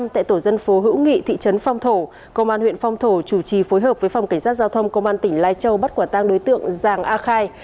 tại tổ dân phố hữu nghị thị trấn phong thổ công an huyện phong thổ chủ trì phối hợp với phòng cảnh sát giao thông công an tỉnh lai châu bắt quả tang đối tượng giàng a khai